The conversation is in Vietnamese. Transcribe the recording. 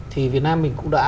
thì việt nam mình cũng đã